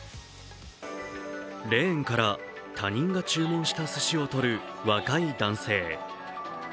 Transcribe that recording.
レーンから他人が注文したすしを取る若い男性。